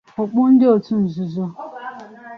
okpu ndị otu nzuzo